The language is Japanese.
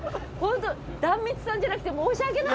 壇蜜さんじゃなくて申し訳ない。